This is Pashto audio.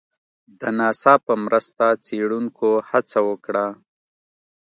د ناسا په مرسته څېړنکو هڅه وکړه